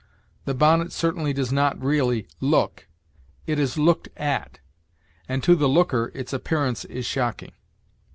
The bonnet certainly does not really look; it is looked at, and to the looker its appearance is shocking.